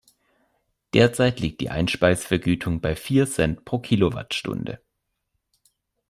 Derzeit liegt die Einspeisevergütung bei vier Cent pro Kilowattstunde.